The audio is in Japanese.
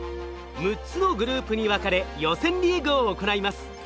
６つのグループに分かれ予選リーグを行います。